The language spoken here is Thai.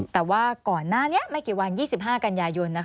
แต่ว่าก่อนหน้านี้ไม่กี่วัน๒๕กันยายน